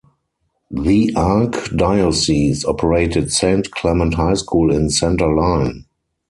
The archdiocese operated Saint Clement High School in Center Line.